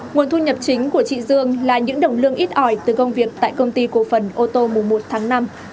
nguồn thu nhập chính của chị dương là những đồng lương ít ỏi từ công việc tại công ty cổ phần ô tô mùng một tháng năm